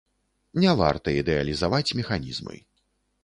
Не варта ідэалізаваць механізмы.